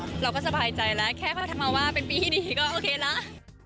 เราก็สบายใจแล้วแค่มาว่าเป็นปีที่ดีก็โอเคนะ